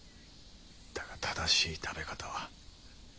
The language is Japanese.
だが正しい食べ方は。